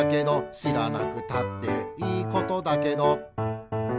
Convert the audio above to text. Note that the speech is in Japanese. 「しらなくたっていいことだけど」